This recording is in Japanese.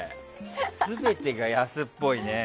全てが安っぽいね。